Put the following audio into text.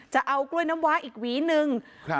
จะเอากล้วยน้ำว้าอีกหวีหนึ่ง